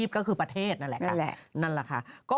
ก็คือประเทศนั่นแหละค่ะ